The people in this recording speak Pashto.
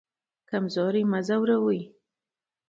کمزوری مه ځوروئ